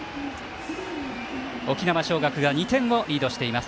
沖縄尚学が２点をリードしています。